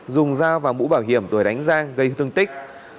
dùng dao và mũ bảo hiểm đuổi đánh giang gây thương tích